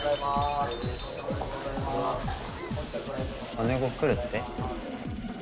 姉御来るって？